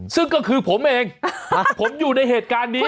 ซึ่งก็คือผมเองผมอยู่ในเหตุการณ์นี้